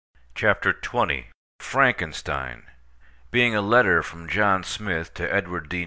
CHAPTER XX FRANKENSTEIN: BEING A LETTER FROM JOHN SMITH TO EDWARD D.